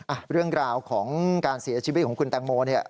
เรื่องราวของการเสียชีวิตของคุณแตงโมเนี่ย